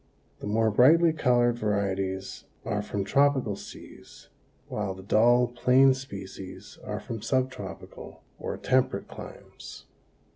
The more brightly colored varieties are from tropical seas, while the dull, plain species are from subtropical or temperate climes.